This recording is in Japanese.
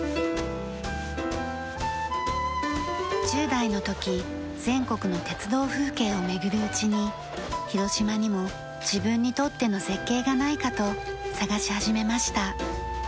１０代の時全国の鉄道風景を巡るうちに広島にも自分にとっての絶景がないかと探し始めました。